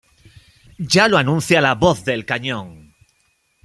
Ya lo anuncia la voz del cañón.